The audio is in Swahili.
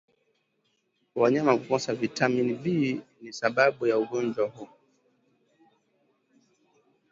Wanyama kukosa vitamin B ni sababu ya ugonjwa huu